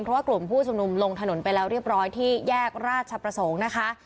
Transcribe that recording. เพราะว่ากลุ่มผู้ชุมนุมลงถนนไปแล้วเรียบร้อยที่แยกราชประสงค์นะคะ